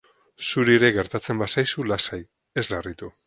Zuri ere gertatzen bazaizu lasai, ez larritu.